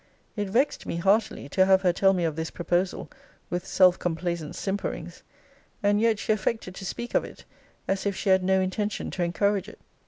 It vexed me heartily to have her tell me of this proposal with self complaisant simperings; and yet she affected to speak of it as if she had no intention to encourage it.